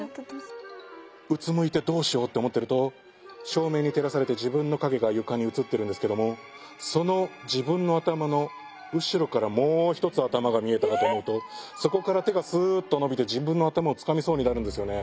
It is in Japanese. うつむいてどうしようって思ってると照明に照らされて自分の影が床に映ってるんですけどもその自分の頭の後ろからもう一つ頭が見えたかと思うとそこから手がスーッと伸びて自分の頭をつかみそうになるんですよね。